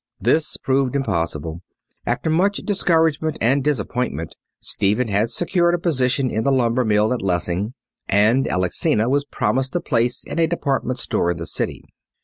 This proved impossible. After much discouragement and disappointment Stephen had secured a position in the lumber mill at Lessing, and Alexina was promised a place in a departmental store in the city.